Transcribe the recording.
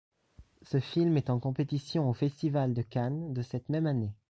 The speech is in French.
Ce film est en compétition au Festival de Cannes de cette même année.